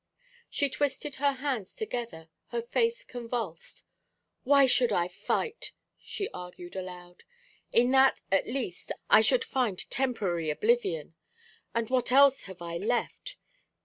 She twisted her hands together, her face convulsed. "Why should I fight?" she argued aloud. "In that, at least, I should find temporary oblivion. And what else have I left?